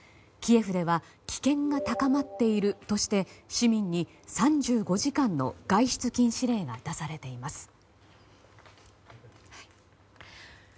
キエフでは危険が高まっているとして市民に３５時間の外出禁止令が出されています。